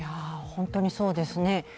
本当にそうですね。